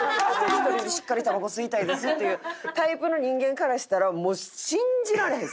「１人でしっかりタバコ吸いたいです」っていうタイプの人間からしたらもう信じられへん。